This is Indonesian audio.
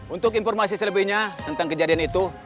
untuk informasi selebihnya tentang kejadian itu